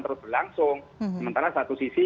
terus berlangsung sementara satu sisi